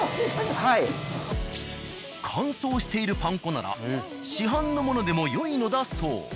乾燥しているパン粉なら市販のものでもよいのだそう。